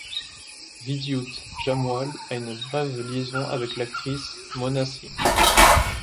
Vidyut Jammwal a une brève liaison avec l'actrice Mona Singh.